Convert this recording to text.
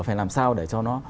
phải làm sao để cho nó